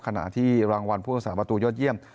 ขณะที่รางวัลผู้รักษาประตูยอดเยี่ยม